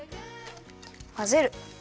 まぜる。